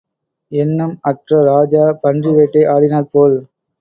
எண்ணம் அற்ற ராஜா பன்றிவேட்டை ஆடினாற்போல்.